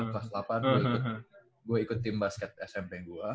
kelas delapan gue ikut tim basket smp gue